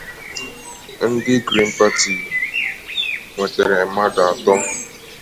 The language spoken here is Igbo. Ndị Grin Pati nwetere mmadụ atọ.